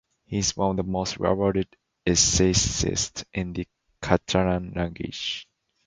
He is one of the most awarded essayists in the Catalan language.